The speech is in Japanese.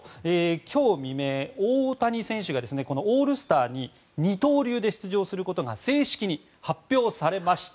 今日未明、大谷選手がこのオールスターに二刀流で出場することが正式に発表されました。